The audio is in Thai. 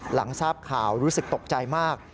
หลังทราบข่าวรู้สึกตกใจมาก